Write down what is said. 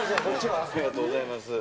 ありがとうございます。